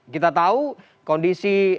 kita tahu kondisi